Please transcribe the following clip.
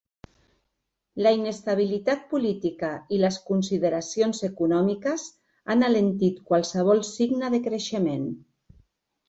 La inestabilitat política i les consideracions econòmiques han alentit qualsevol signe de creixement.